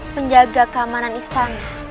menjaga keamanan istana